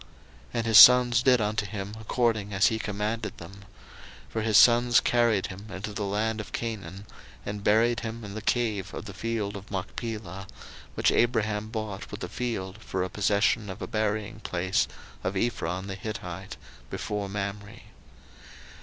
01:050:012 And his sons did unto him according as he commanded them: 01:050:013 For his sons carried him into the land of Canaan, and buried him in the cave of the field of Machpelah, which Abraham bought with the field for a possession of a buryingplace of Ephron the Hittite, before Mamre.